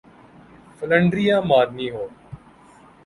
فلنٹریاں مارنی ہوں۔